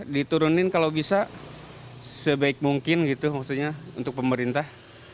diturunin kalau bisa sebaik mungkin untuk pemerintah